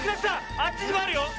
あっちにもあるよ！